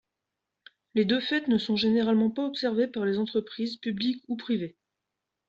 Les deux fêtes ne sont généralement pas observées par les entreprises publiques ou privées.